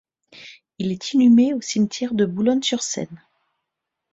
Il est inhumé au cimetière de Boulogne-sur-Seine.